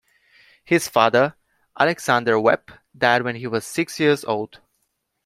His father, Alexander Webb, died when he was six years old.